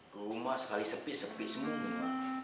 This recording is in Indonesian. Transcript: rumah sekali sepi sepi semua